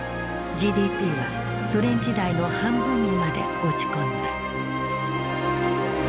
ＧＤＰはソ連時代の半分にまで落ち込んだ。